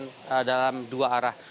dan akan dilakukan dalam dua arah